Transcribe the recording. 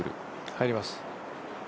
入ります。